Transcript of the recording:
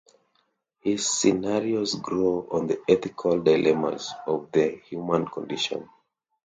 His scenarios grow on the ethical dilemmas of the human condition.